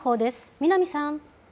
南さん。